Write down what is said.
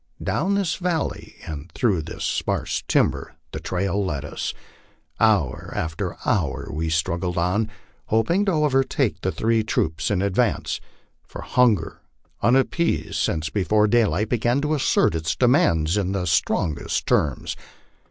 Down this valley and through this sparse timber the trail led us. Hour after hour we struggled on, hoping to overtake the three troops in advance, for hunger, unappeased since before daylight, began to assert its demands in the strongest terms.